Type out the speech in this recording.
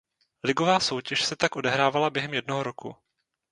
Ligová soutěž se tak odehrávala během jednoho roku.